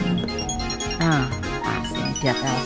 nah pasti dia tadi